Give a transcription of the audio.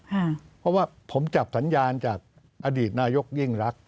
เพราะว่าผมจับสัญญาณจากอดีตนายกยิ่งรัก